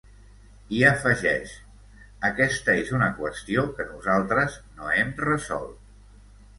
I afegeix: ‘Aquesta és una qüestió que nosaltres no hem resolt’.